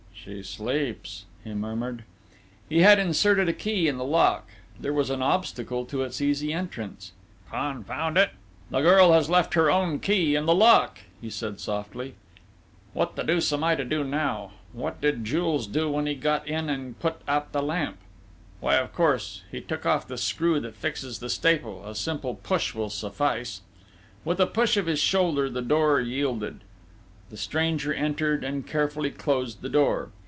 "She sleeps," he murmured. He had inserted a key in the lock: there was an obstacle to its easy entrance. "Confound it! The girl has left her own key in the lock!" he said softly.... "What the deuce am I to do now? What did Jules do when he got in and put out the lamp?... Why, of course, he took off the screw that fixes the staple a simple push will suffice." With a push of his shoulder the door yielded. The stranger entered and carefully closed the door.